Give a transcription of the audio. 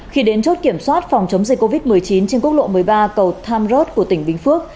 khi đến chốt kiểm soát phòng chống dịch covid một mươi chín trên quốc lộ một mươi ba cầu tham rốt của tỉnh bình phước